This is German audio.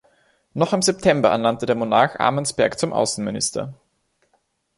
Noch im September ernannte der Monarch Armansperg zum Außenminister.